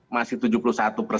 masih ada yang menang